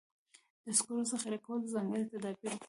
د سکرو ذخیره کول ځانګړي تدابیر غواړي.